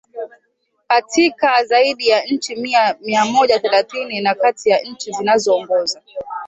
katika zaidi ya nchi mia moja themanini na kati ya nchi zinazoongoza